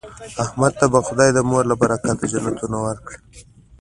احمد ته به خدای د مور له برکته جنتونه ورکړي.